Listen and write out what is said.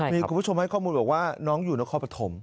มีคุณผู้ชมให้ข้อมูลบอกว่าน้องอยู่นครปฐม